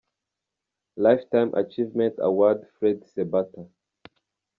Life Time Achievement Award Fred Sebatta.